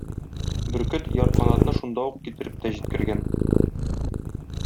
Бөркет ярканатны шунда ук китереп тә җиткергән.